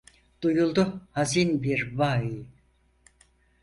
Duyuldu hazin bir “vay”…